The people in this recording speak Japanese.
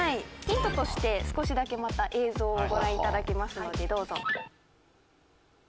「ヒントとして少しだけまた映像をご覧頂きますのでどうぞ」